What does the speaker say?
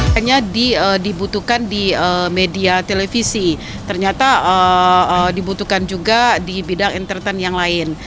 hanya dibutuhkan di media televisi ternyata dibutuhkan juga di bidang entertain yang lain